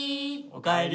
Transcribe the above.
おかえり。